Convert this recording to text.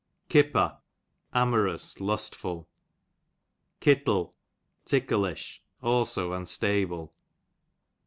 Kipper, amorous^ lustful. Kittle, ticklish ; also unstable.